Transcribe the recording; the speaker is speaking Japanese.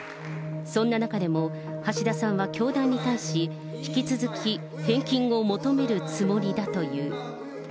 そんな中でも、橋田さんは教団に対し、引き続き返金を求めるつもりだという。